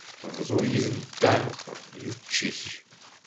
Bḍu yid-nteɣ učči-k.